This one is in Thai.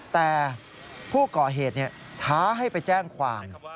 แต่ผู้ก่อเหตุท้าให้ไปแจ้งความ